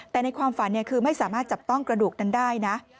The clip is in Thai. แต่ในความฝันคือไม่สามารถจับต้องกระดูกนั้นได้นะ